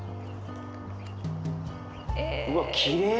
うわっきれい。